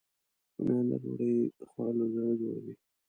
رومیان د ډوډۍ خوړلو زړه جوړوي